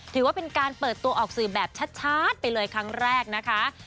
ถือว่าเป็นการเปิดตัวออกสื่อแบบชัดไปเลยครั้งแรกนะคะ